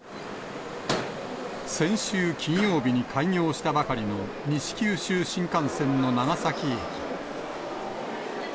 先週金曜日に開業したばかりの西九州新幹線の長崎駅。